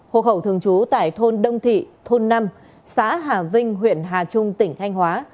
hộ khẩu thường trú tại thôn đông thị thôn năm xã hà vinh huyện hà trung tỉnh thanh hóa